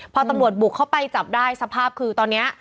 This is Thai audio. พอตำรวจบุกเข้าไปจับได้สภาพคือตอนนี้